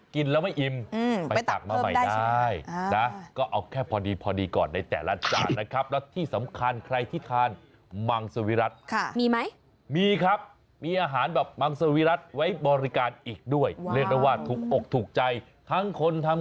กินแล้วไม่อิ่มไปตากมาใหม่ได้นะครับอืมไปตากเพิ่มได้สินะ